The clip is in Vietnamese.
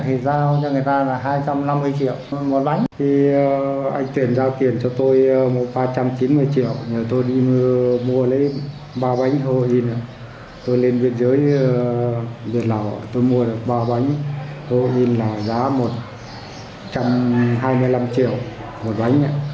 tôi lên việt giới việt lào tôi mua được ba bánh heroin là giá một trăm hai mươi năm triệu một bánh